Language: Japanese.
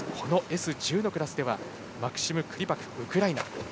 Ｓ１０のクラスではマクシム・クリパク、ウクライナ。